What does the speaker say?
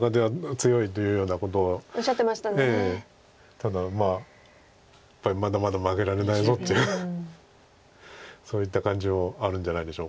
ただまあやっぱりまだまだ負けられないぞというそういった感情あるんじゃないでしょうか。